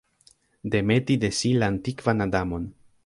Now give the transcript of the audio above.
Demeti de si la antikvan Adamon.